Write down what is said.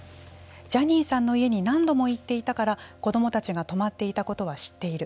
ジャニーさんの家に何度も行っていたから子どもたちが泊まっていたことは知っている。